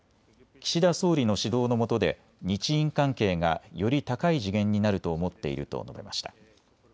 岸田総理の指導のもとで日印関係がより高い次元になると思っていると述べました。